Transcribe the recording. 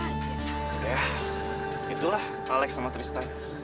ya itulah alex sama tristan